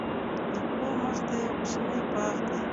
د کور مخته یو کوچنی باغ دی.